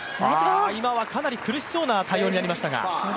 今はかなり苦しそうな対応になりましたが。